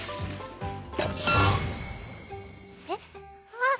あっ。